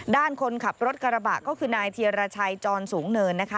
ด้านคนขับรถกระบะก็คือนายเทียรชัยจรสูงเนินนะคะ